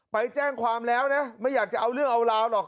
ไปแจ้งความแล้วนะไม่อยากจะเอาเรื่องเอาราวหรอก